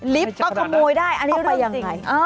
ลิฟต์ตกขโมยได้อันนี้เรื่องจริง